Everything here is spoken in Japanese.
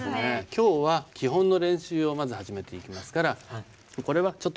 今日は基本の練習をまず始めていきますからこれはちょっとお預けです。